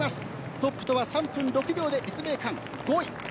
トップとは３分６秒で立命館５位。